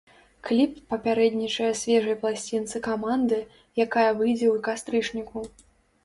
Кліп папярэднічае свежай пласцінцы каманды, якая выйдзе ў кастрычніку.